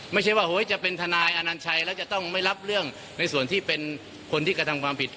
ไม่ใช่ว่าจะเป็นทนายอนัญชัยแล้วจะต้องไม่รับเรื่องในส่วนที่เป็นคนที่กระทำความผิด